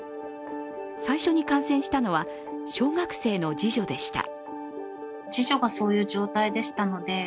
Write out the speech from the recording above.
最初に感染したのは小学生の次女でした。